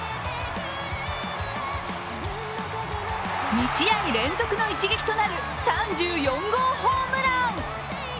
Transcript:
２試合連続の一撃となる３４号ホームラン。